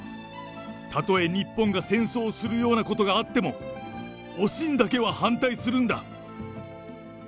例え日本が戦争をするようなことがあっても、おしんだけは反対す